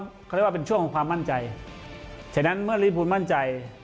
เขาเรียกว่าเป็นช่วงของความมั่นใจฉะนั้นเมื่อลีพูลมั่นใจ